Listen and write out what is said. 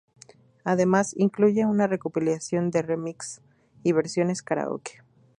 Además incluye una recopilación de remixes y versiones karaoke.